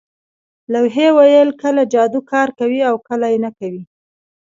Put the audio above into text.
لوحې ویل کله جادو کار کوي او کله نه کوي